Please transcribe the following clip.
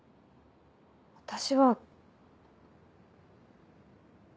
私は。